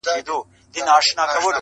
خلکو هېر کړل چي یې ایښي وه نذرونه -